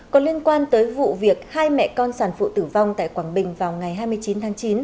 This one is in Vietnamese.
còn liên quan tới vụ việc hai mẹ con sản phụ tử vong tại quảng bình vào ngày hai mươi chín tháng chín